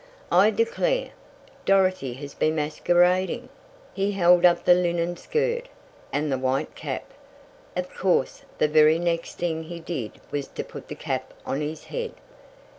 "I declare! Dorothy has been masquerading!" He held up the linen skirt, and the white cap. Of course the very next thing he did was to put the cap on his head.